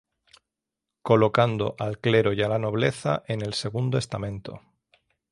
Colocando al clero y a la nobleza en el segundo estamento.